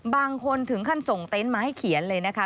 บางคนถึงขั้นส่งเต็นต์มาให้เขียนเลยนะคะ